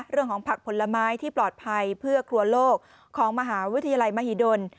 เรื่องของผักผลไม้ที่ปลอดภัยเพื่อครัวโลกของมหาวิทยาลัยมหิดล